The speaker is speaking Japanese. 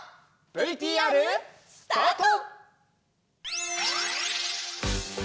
ＶＴＲスタート！